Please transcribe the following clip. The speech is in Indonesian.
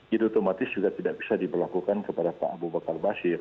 itu otomatis juga tidak bisa diberlakukan kepada pak abu bakar basir